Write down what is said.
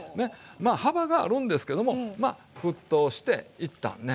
幅があるんですけどもまあ沸騰して一旦ね